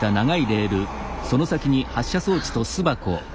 あ。